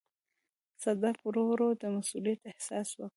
صدک ورو ورو د مسووليت احساس وکړ.